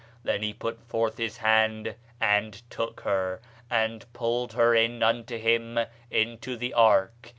Then he put forth his hand, and took her, and pulled her in unto him into the ark.